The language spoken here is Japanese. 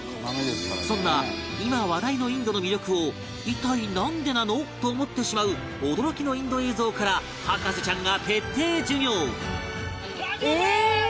そんな今話題のインドの魅力を一体なんでなの！？と思ってしまう驚きのインド映像から博士ちゃんが徹底授業